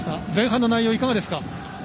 前半の内容、いかがですか？